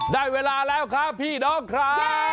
ได้เวลาแล้วครับพี่น้องครับ